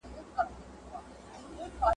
ګړی وروسته غویی پروت اندام اندام وو !.